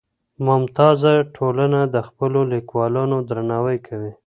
ممتازه ټولنه د خپلو ليکوالانو درناوی کوي.